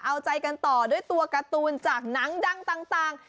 เอาใจกันต่อด้วยตัวการ์ตูนจากหนังดังต่าง